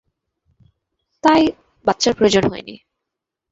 তাই বাচ্চার প্রয়োজন হয়নি।